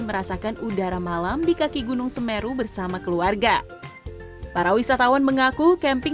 merasakan udara malam di kaki gunung semeru bersama keluarga para wisatawan mengaku camping